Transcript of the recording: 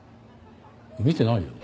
見てないよ。